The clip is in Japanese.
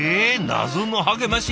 謎の励まし。